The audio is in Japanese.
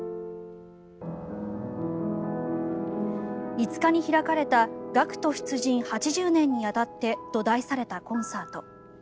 ５日に開かれた「学徒出陣８０年にあたって」と題されたコンサート。